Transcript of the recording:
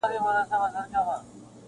• د کلي ژوند ظاهراً روان وي خو دننه مات..